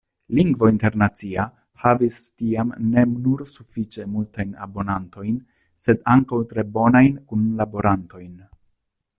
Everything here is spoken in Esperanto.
"Lingvo Internacia" havis tiam ne nur sufiĉe multajn abonantojn, sed ankaŭ tre bonajn kunlaborantojn.